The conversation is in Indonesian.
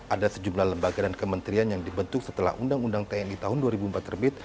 ada sejumlah lembaga dan kementerian yang dibentuk setelah undang undang tni tahun dua ribu empat terbit